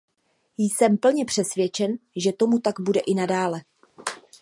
Jsem plně přesvědčen, že tomu tak bude i nadále.